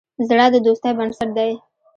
زړه د دوستی بنسټ دی.